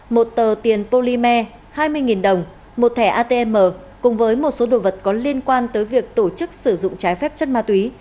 một tờ tiền polymer hai mươi đồng một thẻ atm cùng với một số đồ vật có liên quan tới việc tổ chức sử dụng trái phép chất ma túy